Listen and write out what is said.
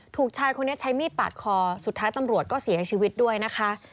ถูกชายคนนี้ใช้มีดปาดคอสุดท้ายตำรวจก็เสียชีวิตด้วยนะคะ